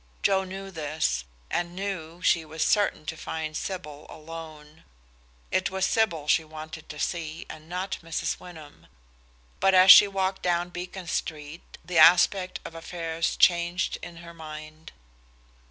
Joe knew this, and knew she was certain to find Sybil alone. It was Sybil she wanted to see, and not Mrs. Wyndham. But as she walked down Beacon Street the aspect of affairs changed in her mind.